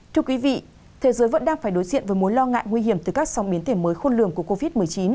thưa quý vị thế giới vẫn đang phải đối diện với mối lo ngại nguy hiểm từ các sóng biến thể mới khôn lường của covid một mươi chín